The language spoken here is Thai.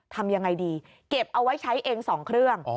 ทำยังไงดีเก็บเอาไว้ใช้เอง๒เครื่อง